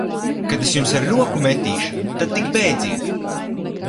Kad es jums ar roku metīšu, tad tik bēdziet!